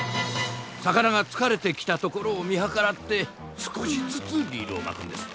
魚がつかれてきたところを見計らって少しずつリールを巻くんです。